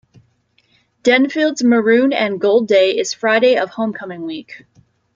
Denfeld's Maroon and Gold Day is Friday of homecoming week.